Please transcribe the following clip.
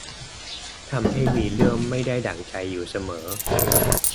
ทำให้มีเรื่องไม่ได้ดั่งใจอยู่เสมอ